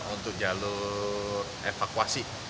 untuk jalur evakuasi